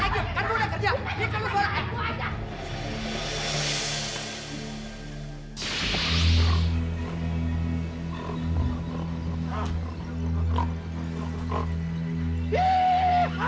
ayo aku udah kerja